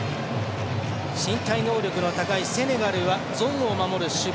身体能力が高いセネガルはゾーンを守る守備。